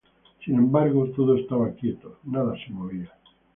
Sin embargo, todo estaba quieto, nada se movía.